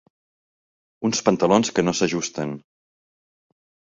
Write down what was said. Uns pantalons que no s'ajusten.